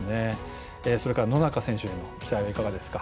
それから野中選手への期待はいかがですか？